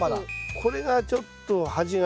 これがちょっと端が。